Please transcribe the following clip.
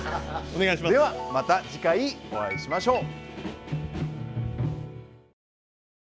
ではまた次回お会いしましょう。